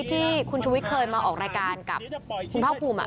ที่คุณชุวิตเคยมาออกรายการกับคุณภาคภูมิ